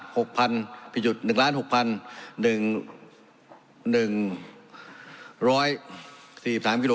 หกพันผิดหนึ่งล้านหกพันหนึ่งหนึ่งร้อยสี่สิบสามกิโล